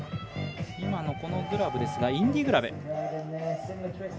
今のグラブですがインディグラブ。